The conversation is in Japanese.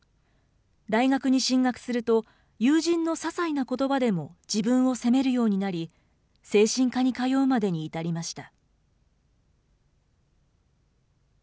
大学に進学すると、友人のささいなことばでも自分を責めるようになり、精神科に通うまでに至りました。